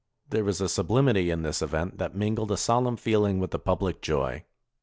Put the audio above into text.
There was a sublimity in this event that mingled a solemn feeUng with the public joy.